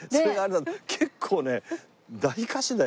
結構ね大歌手だよ。